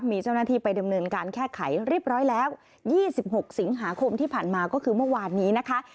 มีเจ้าหน้าที่ไปดำเนินการแก้ไขเรียบร้อยแล้ว๒๖สิงหาคมที่ผ่านมาก็คือเมื่อวานนี้นะคะ